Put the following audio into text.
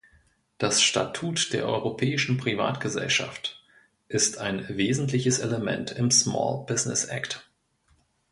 Das Statut der europäischen Privatgesellschaft ist ein wesentliches Element im Small Business Act.